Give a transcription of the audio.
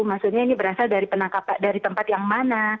maksudnya ini berasal dari tempat yang mana